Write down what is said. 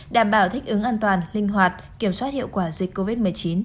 đảm bảo thích ứng an toàn linh hoạt kiểm soát hiệu quả dịch covid một mươi chín